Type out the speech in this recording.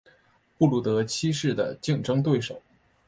布鲁德七世的竞争对手。